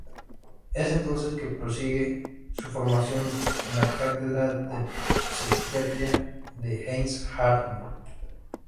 Es entonces que prosigue su formación en la cátedra de Psiquiatría de Heinz Hartmann.